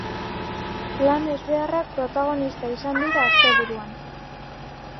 Lan ezbeharrak protagonista izan dira asteburuan.